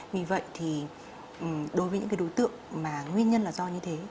vì vậy thì đối với những đối tượng mà nguyên nhân là do như thế